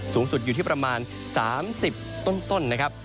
สูงสุดอยู่ที่ประมาณ๓๐ต้นนะครับ